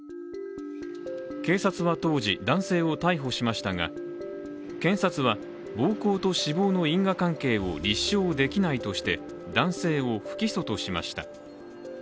警察は当時、男性を逮捕しましたが、検察は暴行と死亡の因果関係を立証できないとして、男性を不起訴としました。